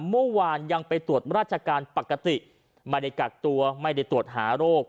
เมื่อวานยังไปตรวจราชการปกติไม่ได้กักตัวไม่ได้ตรวจหาโรค